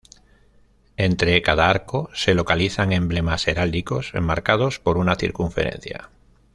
Entre cada arco se localizan emblemas heráldicos enmarcados por una circunferencia.